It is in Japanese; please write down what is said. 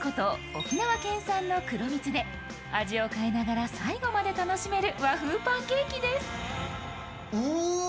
沖縄県産の黒蜜で味を変えながら最後まで楽しめる和風パンケーキです。